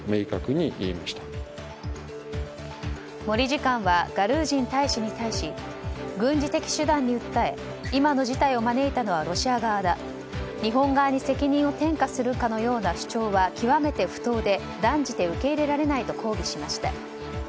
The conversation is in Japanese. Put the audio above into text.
森次官はガルージン大使に対し軍事的手段に訴え今の事態を招いたのはロシア側だ日本側に責任を転嫁するかのような主張は極めて不当で、断じて受け入れられないと抗議しました。